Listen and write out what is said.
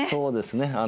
そうですね。